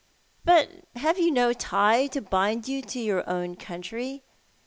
"But have you no tie to bind you to your own country?